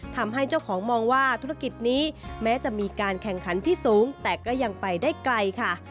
ทำให้เจ้าของมองว่าธุรกิจนี้แม้จะมีการแข่งขันที่สูงแต่ก็ยังไปได้ไกลค่ะ